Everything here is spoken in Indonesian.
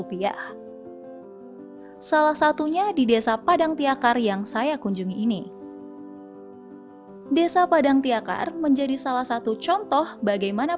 dan bersifat output base di mana pemerintah daerah diminta untuk melaksanakan pembangunan dan pelayanan terlebih dahulu